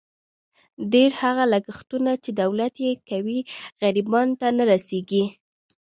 ډېر هغه لګښتونه، چې دولت یې کوي، غریبانو ته نه رسېږي.